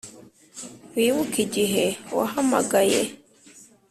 wibuke igihe wahamagaye